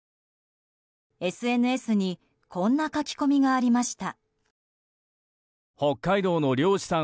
ＳＮＳにこんな書き込みがありました。